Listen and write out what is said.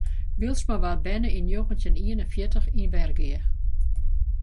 Bylsma waard berne yn njoggentjin ien en fjirtich yn Wergea.